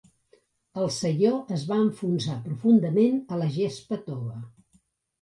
El saió es va enfonsar profundament a la gespa tova.